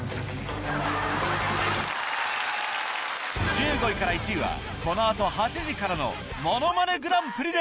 １５位から１位はこのあと８時からの『ものまねグランプリ』で！